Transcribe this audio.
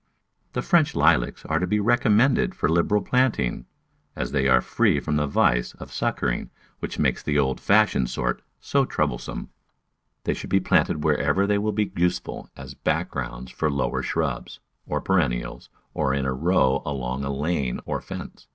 The French Lilacs are to be recommended for lib eral planting, as they are free from the vice of suck ering which makes the old fashioned sort so trouble some. They should be planted wherever they will be useful as backgrounds for lower shrubs, or perennials, or in a row along a lane or fence.